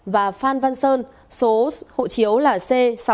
và phan văn sơn số hộ chiếu là c sáu trăm bảy mươi sáu